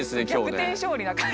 逆転勝利な感じ。